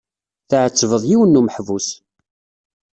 Tɛettbeḍ yiwen n umeḥbus.